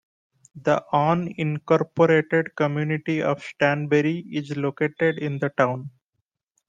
The unincorporated community of Stanberry is located in the town.